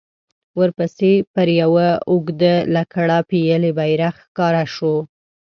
ورپسې پر يوه اوږده لکړه پېيلی بيرغ ښکاره شو.